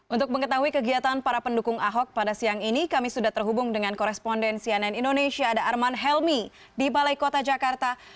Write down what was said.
untuk mengetahui kegiatan para pendukung ahok pada siang ini kami sudah terhubung dengan koresponden cnn indonesia ada arman helmi di balai kota jakarta